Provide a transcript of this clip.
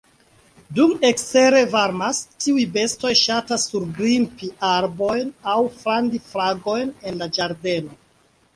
Dum ekstere varmas, tiuj bestoj ŝatas surgrimpi arbojn aŭ frandi fragojn en la ĝardeno.